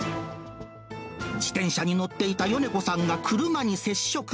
自転車に乗っていた米子さんが車に接触。